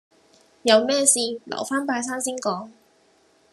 有咩事，留返拜山先講